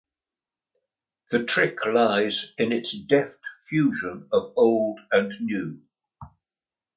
The trick lies in its deft fusion of old and new.